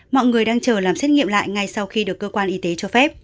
mọi người đang chờ làm xét nghiệm lại ngay sau khi được cơ quan y tế cho phép